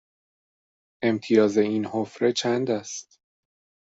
امتیاز این حفره چند است؟